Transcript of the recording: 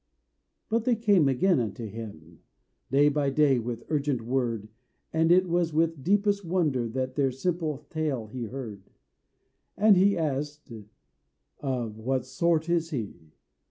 But they came again unto him Day by day, with urgent word, And it was with deepest wonder That their simple tale he heard. And he asked "Of what sort is he?"